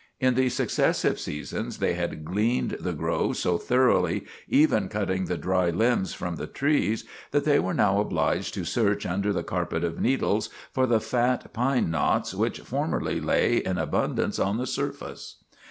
In the successive seasons they had gleaned the grove so thoroughly, even cutting the dry limbs from the trees, that they were now obliged to search under the carpet of needles for the fat pine knots which formerly lay in abundance on the surface.